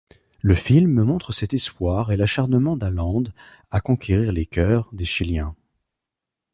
Le film montre cet espoir et l'acharnement d'Allende à conquérir les cœurs des chiliens.